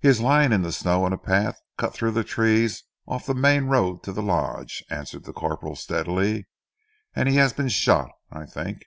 "He is lying in the snow in a path cut through the trees off the main road to the Lodge," answered the corporal steadily, "and he has been shot, I think."